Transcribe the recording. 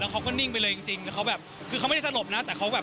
เขาก็นิ่งไปเลยจริงจริงแล้วเขาแบบคือเขาไม่ได้สลบนะแต่เขาแบบ